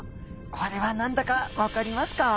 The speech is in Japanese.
これは何だかわかりますか？